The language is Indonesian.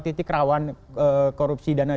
titik rawan korupsi dana